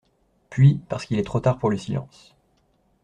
«Puis, parce qu’il est trop tard pour le silence.